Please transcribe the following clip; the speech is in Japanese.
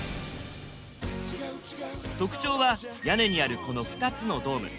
特徴は屋根にあるこの２つのドーム。